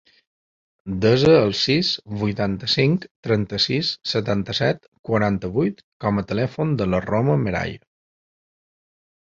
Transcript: Desa el sis, vuitanta-cinc, trenta-sis, setanta-set, quaranta-vuit com a telèfon de la Roma Merayo.